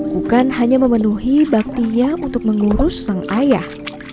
bukan hanya memenuhi baktinya untuk mengurus sang ayah